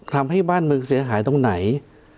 ทำให้บ้านเมืองเสียหายตรงไหน